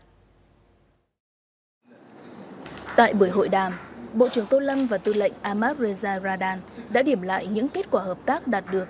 tại buổi hội đàm bộ trưởng tô lâm và tư lệnh ahmad reza radan đã điểm lại những kết quả hợp tác đạt được